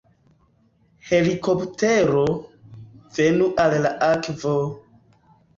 Helikoptero... venu al la akvo!